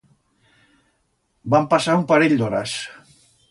Van pasar un parell d'horas.